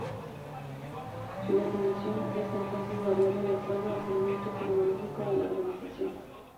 Su definición es, entonces, variable de acuerdo al segmento tecnológico de la organización.